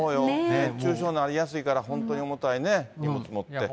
熱中症なりやすいから、本当に重たいね、荷物持って。